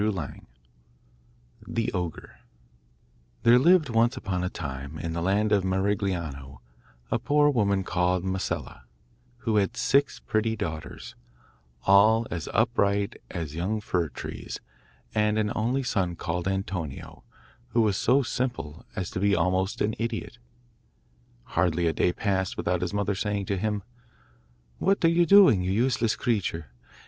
] The Ogre There lived, once upon a time, in the land of Marigliano, a poor woman called Masella, who had six pretty daughters, all as upright as young fir trees, and an only son called Antonio, who was so simple as to be almost an idiot. Hardly a day passed without his mother saying to him, 'What are you doing, you useless creature?